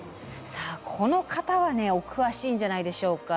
さあこの方はねお詳しいんじゃないでしょうか。